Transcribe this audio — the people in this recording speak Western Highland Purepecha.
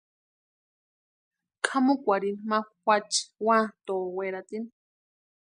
Kʼamukwarini ma juachi Uantoo weratini.